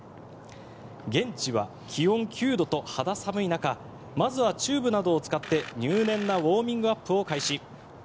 現地は気温９度と肌寒い中まずはチューブなどを使って入念なウォーミングアップを開始。